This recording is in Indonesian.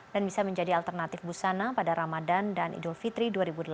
dan bisa menjadi alternatif busana pada ramadan dan idul fitri dua ribu delapan belas